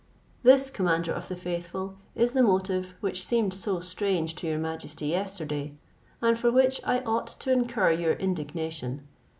"This, commander of the faithful, is the motive which seemed so strange to your majesty yesterday, and for which I ought to incur your indignation.